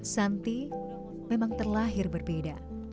santi memang terlahir berbeda